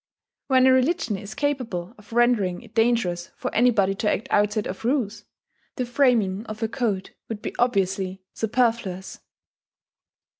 When a religion is capable of rendering it dangerous for anybody to act outside of rules, the framing of a code would be obviously superfluous.